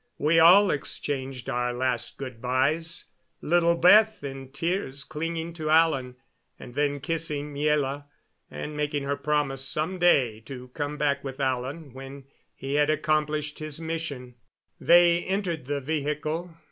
We all exchanged our last good bys, little Beth in tears clinging to Alan, and then kissing Miela and making her promise some day to come back with Alan when he had accomplished his mission. Then they entered the vehicle.